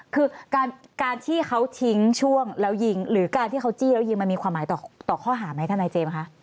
คือการที่เขาทิ้งช่วงแล้วยิงหรือการที่เขาจี้แล้วยิงมันมีความหมายต่อข้อหาไหมทนายเจมส์คะ